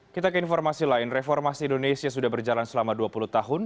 kita ke informasi lain reformasi indonesia sudah berjalan selama dua puluh tahun